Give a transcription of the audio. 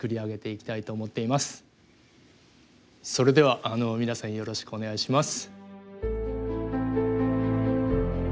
それでは皆さんよろしくお願いします。